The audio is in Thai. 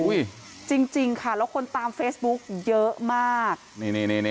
จริงจริงค่ะแล้วคนตามเฟซบุ๊กเยอะมากนี่นี่